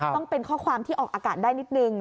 ต้องเป็นข้อความที่ออกอากาศได้นิดนึง